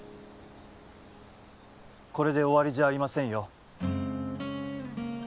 これで終わりじゃありませんよ